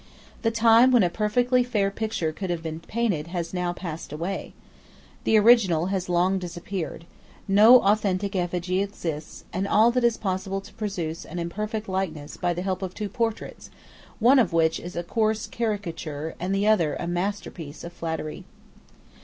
The time when a perfectly fair picture could have been painted has now passed away. The original has long disappeared: no authentic effigy exists; and all that is possible is to produce an imperfect likeness by the help of two portraits, of which one is a coarse caricature and the other a masterpiece of flattery.